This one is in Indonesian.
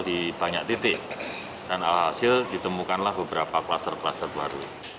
di banyak titik dan alhasil ditemukanlah beberapa kluster kluster baru